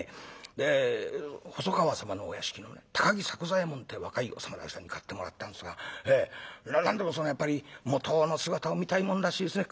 で細川様のお屋敷のね高木作久左右衛門って若いお侍さんに買ってもらったんですが何でもやっぱり元の姿を見たいもんらしいですね。